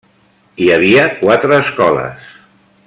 Hi havia quatre escoles.